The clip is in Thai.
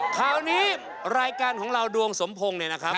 คราวนี้รายการของเราดวงสมพงศ์เนี่ยนะครับ